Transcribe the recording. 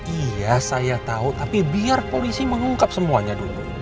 iya saya tahu tapi biar polisi mengungkap semuanya dulu